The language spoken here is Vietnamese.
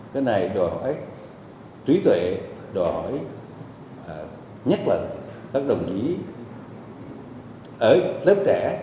cái này đòi hỏi trí tuệ đòi hỏi nhất là các đồng chí ở lớp trẻ